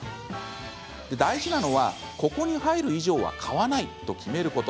大事なのは、ここに入る以上は買わないと決めること。